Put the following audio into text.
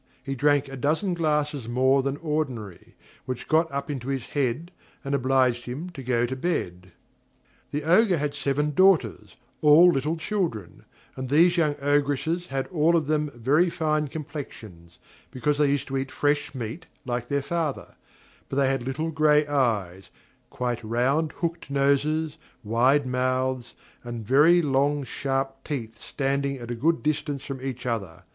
He drank a dozen glasses more than ordinary, which got up into his head, and obliged him to go to bed. The Ogre had seven daughters, all little children, and these young Ogresses had all of them very fine complexions, because they used to eat fresh meat like their father; but they had little grey eyes, quite round, hooked noses, wide mouths, and very long sharp teeth standing at a good distance from each other.